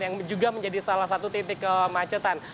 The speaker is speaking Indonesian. yang juga menjadi salah satu titik kemacetan